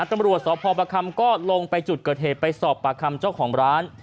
ตำรวจสพประคำก็ลงไปจุดเกิดเหตุไปสอบปากคำเจ้าของร้าน